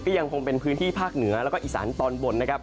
ยังคงเป็นพื้นที่ภาคเหนือแล้วก็อีสานตอนบนนะครับ